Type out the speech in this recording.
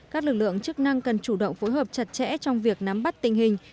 các lực lượng chức năng cần chủ động phối hợp chặt chẽ trong việc nắm bắt tình hình